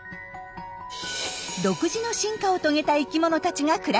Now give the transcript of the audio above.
独自の進化を遂げた生きものたちが暮らしています。